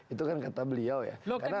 itu kan kata beliau ya